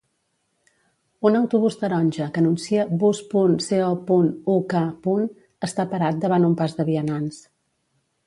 Un autobús taronja que anuncia Bus.co.uk. està parat davant un pas de vianants.